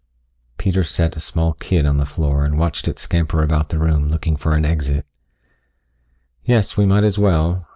Peter set a small kid on the floor and watched it scamper about the room, looking for an exit. "Yes, we might as well.